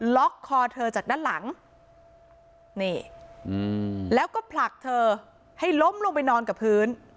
คอเธอจากด้านหลังนี่แล้วก็ผลักเธอให้ล้มลงไปนอนกับพื้น